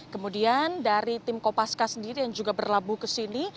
kemudian dari tim kopaska sendiri yang juga berlabuh kesini